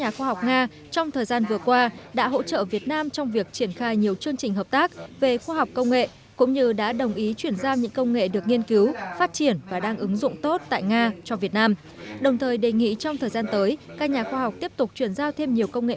để ủng hộ việt nam trong việc mà chuyển sang hay đưa những công nghệ này